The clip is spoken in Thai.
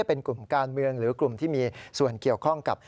เป็นกลุ่มการเมืองหรือกลุ่มที่มีส่วนเกี่ยวข้องกับ